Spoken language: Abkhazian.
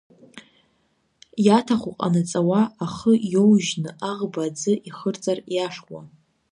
Иаҭаху ҟанаҵауа, ахы иоужьны аӷба аӡы ихырҵар иахьуа.